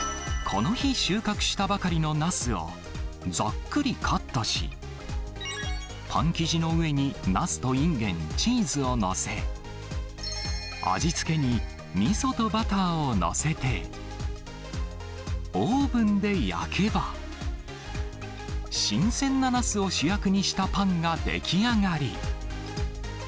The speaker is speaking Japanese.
この日、収穫したばかりのなすをざっくりカットし、パン生地の上になすといんげん、チーズを載せ、味付けにみそとバターを載せて、オーブンで焼けば、新鮮ななすを主役にしたパンが出来上がり。